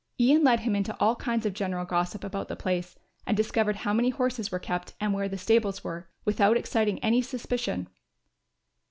Ian led him into all kinds of general gossip about the place and discovered how many horses were kept and where the stables were, without exciting any suspicion.